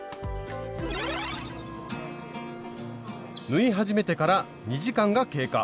縫い始めてから２時間が経過。